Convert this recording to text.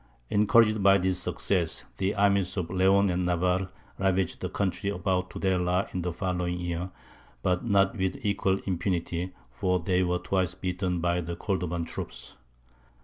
Encouraged by this success, the armies of Leon and Navarre ravaged the country about Tudela in the following year, but not with equal impunity, for they were twice beaten by the Cordovan troops.